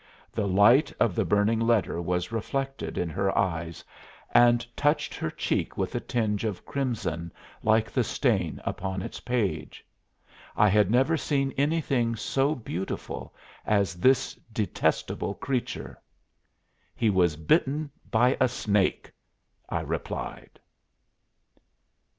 The light of the burning letter was reflected in her eyes and touched her cheek with a tinge of crimson like the stain upon its page. I had never seen anything so beautiful as this detestable creature. "He was bitten by a snake," I replied.